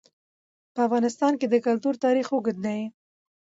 په افغانستان کې د کلتور تاریخ اوږد دی.